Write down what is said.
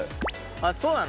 あっそうなの？